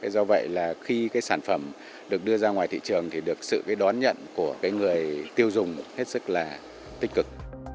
do vậy là khi cái sản phẩm được đưa ra ngoài thị trường thì được sự đón nhận của cái người tiêu dùng hết sức là tích cực